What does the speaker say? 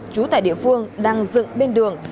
chú tại địa phương đang dựng bên đường